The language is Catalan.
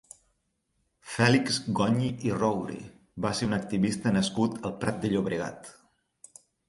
Fèlix Goñi i Roura va ser un activista nascut al Prat de Llobregat.